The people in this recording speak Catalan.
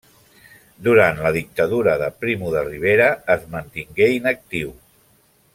Durant la dictadura de Primo de Rivera es mantingué inactiu.